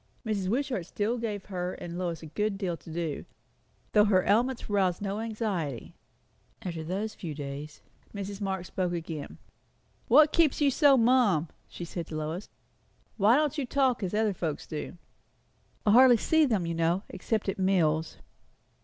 Mrs. Wishart still gave her and Lois a good deal to do, though her ailments aroused no anxiety. After those few days, Mrs. Marx spoke again. "What keeps you so mum?" she said to Lois. "Why don't you talk, as other folks do?" "I hardly see them, you know, except at meals."